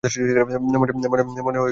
মনে হয় আমি প্রস্তুত।